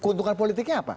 keuntungan politiknya apa